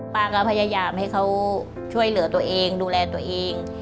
ป้าก็พยายามให้เขาช่วยเหลือตัวเองดูแลตัวเอง